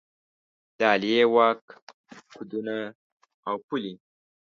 د عالیه واک حدونه او پولې